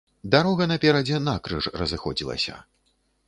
Дарога наперадзе накрыж разыходзілася.